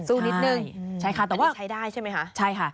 สู้นิดหนึ่งอันนี้ใช้ได้ใช่ไหมคะใช่ค่ะ